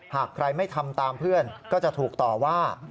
หากใครไม่ทำตามเพื่อนก็จะถูกต่อว่า